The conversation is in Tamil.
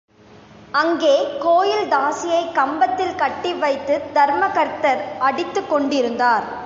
அங்கே கோயில் தாசியைக் கம்பத்தில் கட்டி வைத்துத் தர்மகர்த்தர் அடித்துக் கொண்டிருந்தார்.